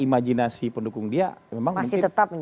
imajinasi pendukung dia memang masih tetap